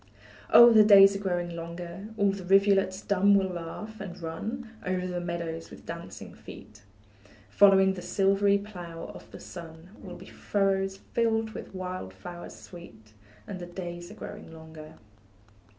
Oh, the days are growing longer, All the rivulets dumb will laugh, and run Over the meadows with dancing feet; Following the silvery plough of the sun, Will be furrows filled with wild flowers sweet: And the days are growing longer.